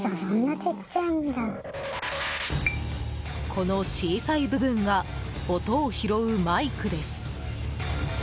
この小さい部分が音を拾うマイクです。